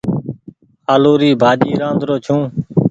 آلو ري ڀآڃي رآڌرو ڇون۔